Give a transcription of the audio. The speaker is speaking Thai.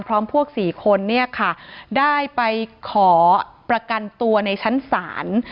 พร้อมพวก๔คนเนี่ยค่ะได้ไปขอประกันตัวในชั้นศาล